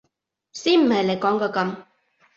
先唔係你講嘅噉！